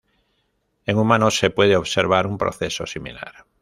En humanos se puede observar un proceso similar.